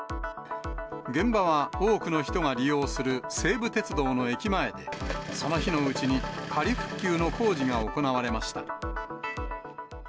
現場は多くの人が利用する西武鉄道の駅前で、その日のうちに、仮復旧の工事が行われました。